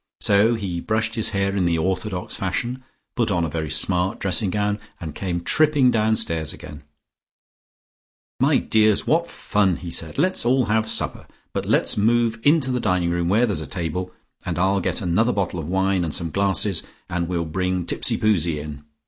So he brushed his hair in the orthodox fashion, put on a very smart dressing gown, and came tripping downstairs again. "My dears, what fun!" he said. "Let's all have supper. But let's move into the dining room, where there's a table, and I'll get another bottle of wine, and some glasses, and we'll bring Tipsipoozie in.